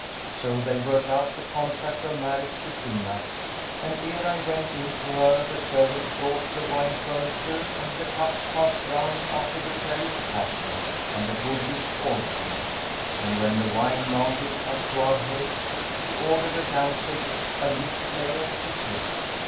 So they wrote out the contract of marriage between us; and ere I went in to her the servants brought the wine furniture and the cups passed round after the fairest fashion and the goodliest ordering; and, when the wine mounted to our heads, she ordered a damsel, a lute player,[FN#199] to sing.